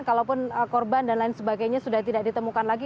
kalaupun korban dan lain sebagainya sudah tidak ditemukan lagi